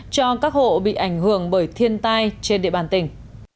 cho các hộ bị ảnh hưởng bởi thiên tai trên địa bàn tỉnh